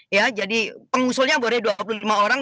ya jadi pengusulnya boleh dua puluh lima orang